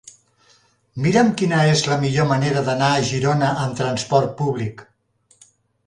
Mira'm quina és la millor manera d'anar a Girona amb trasport públic.